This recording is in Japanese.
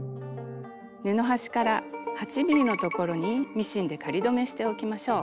布端から８ｍｍのところにミシンで仮留めしておきましょう。